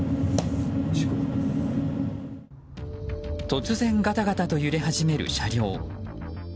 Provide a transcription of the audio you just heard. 突然、がたがたと揺れ始める車両。